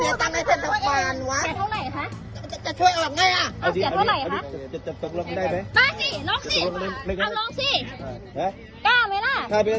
แต่พี่ไปจอดล็อคก็ไม่มีละบุก็ยังไงพี่